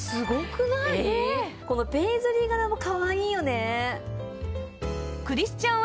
このペイズリー柄もかわいいよね。